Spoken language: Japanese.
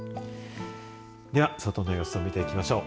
では、外の様子を見ていきましょう。